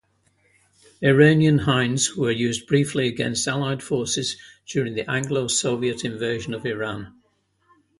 Iranian Hinds were used briefly against Allied forces during the Anglo-Soviet invasion of Iran.